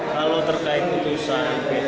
kalau terkait putusan pt jakarta properindo